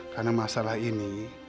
karena masalah ini